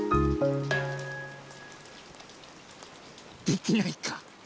できないか。